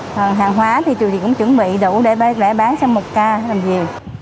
còn hàng hóa thì tuy nhiên cũng chuẩn bị đủ để bán sang một ca làm gì